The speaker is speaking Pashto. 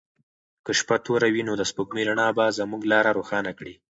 که شپه توره وي نو د سپوږمۍ رڼا به زموږ لاره روښانه کړي.